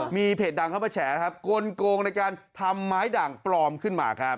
มีเพจดังเข้ามาแฉนะครับกลงในการทำไม้ด่างปลอมขึ้นมาครับ